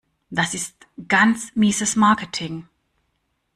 Das ist ganz mieses Marketing.